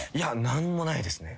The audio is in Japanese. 何もないですね。